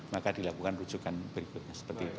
maka dilakukan rujukan berikutnya seperti itu